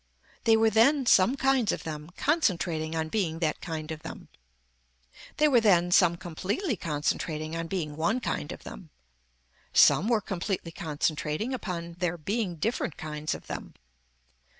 They were then some kinds of them concentrating on being that kind of them. They were then some completely concentrating on being one kind of them. Some were completely concentrating upon their being different kinds of them.